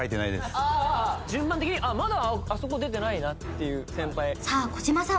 順番的にまだあそこ出てないなっていう先輩さあ児嶋さん